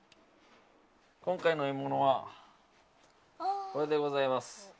今回の獲物はこれでございます。